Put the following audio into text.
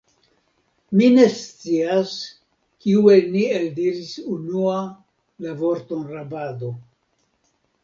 Mi ne scias, kiu el ni eldiris unua la vorton rabado.